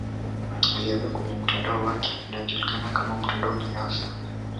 Alihamia kwenye mtandao wake unaojulikana kama mtandao binafsi